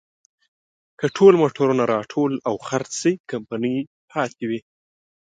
که ټول موټرونه راټول او خرڅ شي، کمپنۍ پاتې وي.